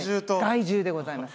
害獣でございます。